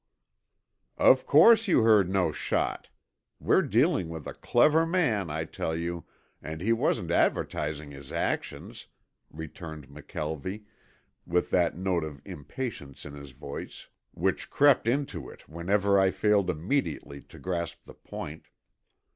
"Of course you heard no shot. We're dealing with a clever man, I tell you, and he wasn't advertising his actions," returned McKelvie, with that note of impatience in his voice which crept into it whenever I failed immediately to grasp the point.